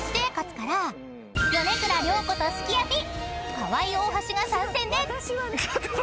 ［河合大橋が参戦で］